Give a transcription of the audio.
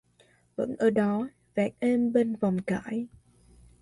Vẫn ở đó, vạt êm bên vồng cải